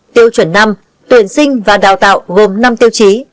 tiêu chuẩn năm tuyển sinh và đào tạo gồm năm tiêu chí